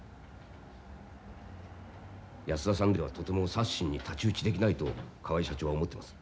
安田さんではとてもサッシンに太刀打ちできないと河合社長は思ってます。